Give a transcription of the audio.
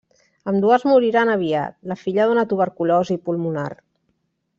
Ambdues moriren aviat; la filla d’una tuberculosi pulmonar.